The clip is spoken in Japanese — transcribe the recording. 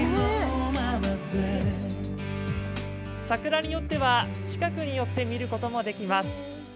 桜によっては近くに寄って見ることもできます。